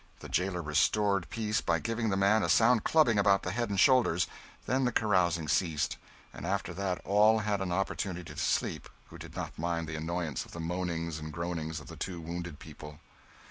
The jailer restored peace by giving the man a sound clubbing about the head and shoulders then the carousing ceased; and after that, all had an opportunity to sleep who did not mind the annoyance of the moanings and groanings of the two wounded people.